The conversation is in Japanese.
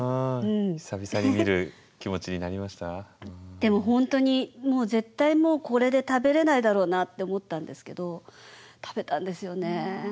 でも本当にもう絶対もうこれで食べれないだろうなって思ったんですけど食べたんですよね。